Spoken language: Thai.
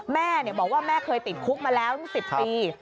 แม่บอกว่าแม่เคยติดคุกมาแล้วตั้ง๑๐ปี